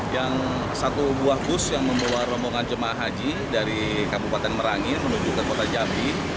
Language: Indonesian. yang satu buah bus yang membawa rombongan jemaah haji dari kabupaten merangin menuju ke kota jambi